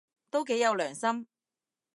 都幾有良心